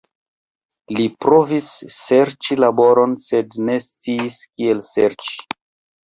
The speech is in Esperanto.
Li provis serĉi laboron, sed ne sciis kiel serĉi.